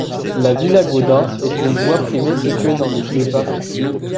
La villa Godin est une voie privée située dans le de Paris.